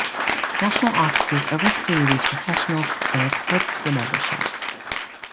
National officers oversee these professionals and report to the membership.